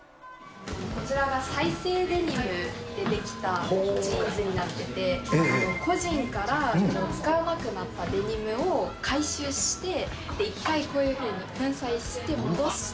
こちらが再生デニムで出来たジーンズになってて、個人から使わなくなったデニムを回収して、一回こういうふうに粉砕して戻して。